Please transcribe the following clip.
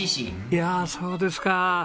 いやそうですか。